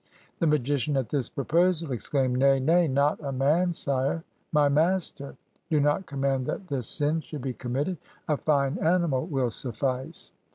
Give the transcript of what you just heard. The magician at this proposal exclaimed: "Nay, nay, not a man, sire, my master; do not command that this sin should be committed; a fine animal will suffice!"